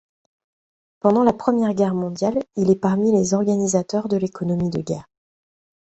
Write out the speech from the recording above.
Pendant la Première Guerre mondiale, il est parmi les organisateurs de l'économie de guerre.